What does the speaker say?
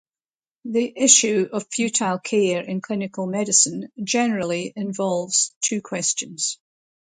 The issue of futile care in clinical medicine generally involves two questions.